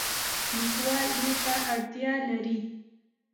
لیکوال دې ته اړتیا لري.